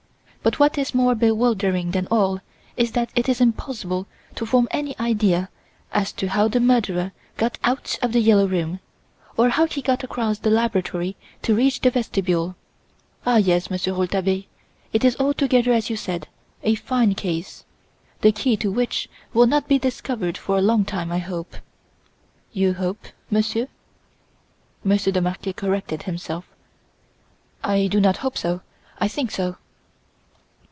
But what is more bewildering than all is that it is impossible to form any idea as to how the murderer got out of "The Yellow Room", or how he got across the laboratory to reach the vestibule! Ah, yes, Monsieur Rouletabille, it is altogether as you said, a fine case, the key to which will not be discovered for a long time, I hope." "You hope, Monsieur?" Monsieur de Marquet corrected himself. "I do not hope so, I think so."